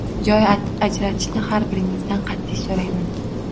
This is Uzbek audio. Joy ajratishni har biringizdan qatʼiy soʻrayman